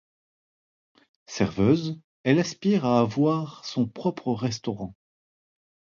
Serveuse, elle aspire à avoir son propre restaurant.